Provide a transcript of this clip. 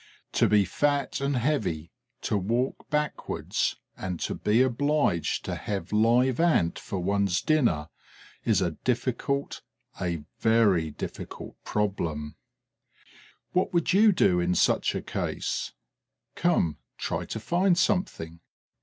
To be fat and heavy, to walk backwards and to be obliged to have live Ant for one's dinner is a difficult, a very difficult problem. What would you do in such a case? Come, try to find something!